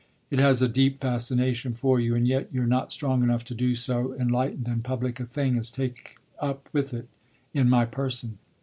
It has a deep fascination for you, and yet you're not strong enough to do so enlightened and public a thing as take up with it in my person.